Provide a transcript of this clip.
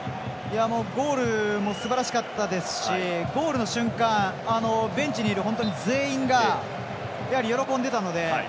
ゴールもすばらしかったですしゴールの瞬間ベンチにいる全員がやはり喜んでいたので。